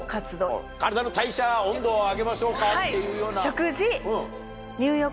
体の代謝温度を上げましょうかっていうような。